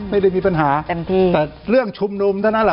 ไม่ได้มีปัญหาแต่เรื่องชุมนุมตั้งนั้น